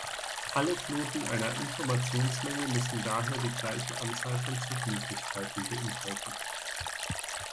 Alle Knoten einer Informationsmenge müssen daher die gleiche Anzahl von Zugmöglichkeiten beinhalten.